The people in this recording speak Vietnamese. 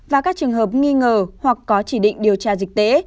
và các trường hợp nghi ngờ hoặc có chỉ định điều tra dịch tễ